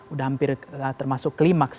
udah hampir termasuk klimaks